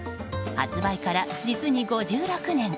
発売から実に５６年。